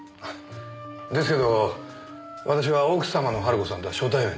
ですけど私は奥様の晴子さんとは初対面で。